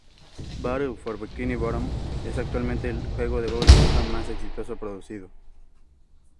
Battle for Bikini Bottom es actualmente el juego de Bob Esponja más exitoso producido.